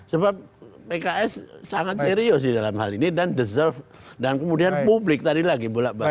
sebab pks sangat serius di dalam hal ini dan deserve dan kemudian publik tadi lagi bolak balik